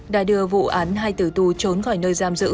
đã đưa vụ án hai tử tù trốn khỏi nơi giam giữ